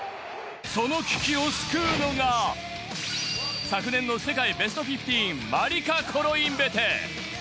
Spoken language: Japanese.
その危機を救うのが昨年の世界ベスト１５、マリカ・コロインベテ。